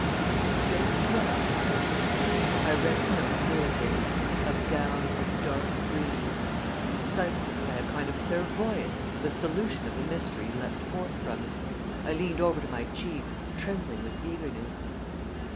If we failed now I read the note through again "a gown of dark green" and suddenly, by a kind of clairvoyance, the solution of the mystery leaped forth from it. I leaned over to my chief, trembling with eagerness.